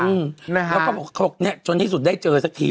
แล้วก็บอกเขาบอกเนี่ยจนที่สุดได้เจอสักที